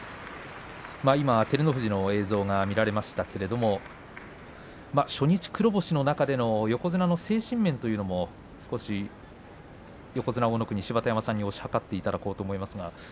今、照ノ富士の映像が見られましたけれども初日、黒星の中でも横綱の精神面というのも芝田山さんに推し量っていただこうと思います。